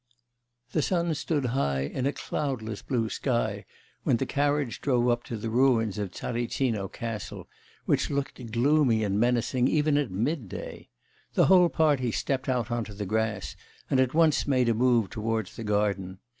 The sun stood high in a cloudless blue sky when the carriage drove up to the ruins of Tsaritsino Castle, which looked gloomy and menacing, even at mid day. The whole party stepped out on to the grass, and at once made a move towards the garden.